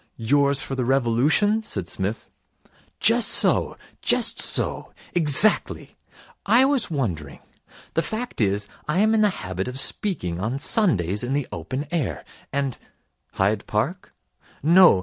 'Yours for the Revolution?' said Psmith. 'Just so. Just so. Exactly. I was wondering the fact is, I am in the habit of speaking on Sundays in the open air, and ' 'Hyde Park?' 'No.